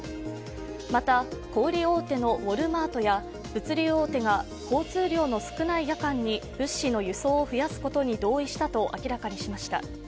また、小売り大手のウォルマートや物流大手が交通量の少ない夜間に物資の輸送を増やすことに同意したと明らかにしました。